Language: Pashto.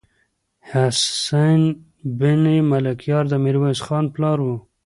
حسين بن ملکيار د ميرويس خان پلار و.